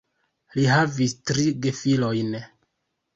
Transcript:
Li havis tri gefilojn.